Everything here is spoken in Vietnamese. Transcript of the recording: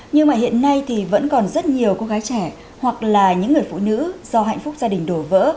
nhưng mà hiện nay thì vẫn còn rất nhiều cô gái trẻ hoặc là những người phụ nữ do hạnh phúc gia đình đổ vỡ